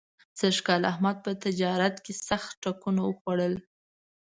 سږ کال احمد په تجارت کې سخت ټکونه وخوړل.